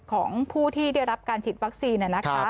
ของผู้ที่ได้รับการฉีดวัคซีน